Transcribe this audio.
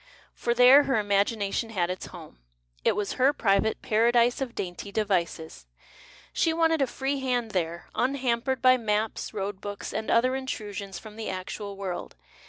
For there her imagination had its home, it was her private Paradise of Dainty Devices ; she wanted a free hand there, unhampered by maps, road books, and other intrusions from the actual world.